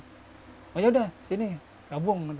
maksudnya udah sini gabung